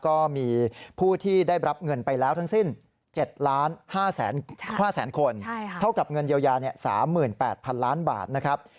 ก็มีผู้ที่ได้รับเงินไปแล้วทั้งสิ้น๗๕๐๐๐คนเท่ากับเงินเยียวยา๓๘๐๐๐ล้านบาทนะครับ